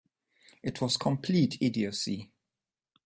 It was complete idiocy.